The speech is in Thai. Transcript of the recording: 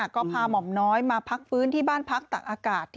ก็พาหม่อมน้อยมาพักฟื้นที่บ้านพักตักอากาศ